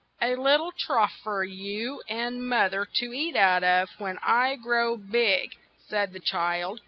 "A lit tle trough for you and moth er to eat out of when I grow big," said the child.